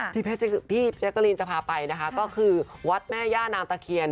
ที่แพะเจ๊การีนจะพาไปคือวัดแม่ญ่านางตะเขียน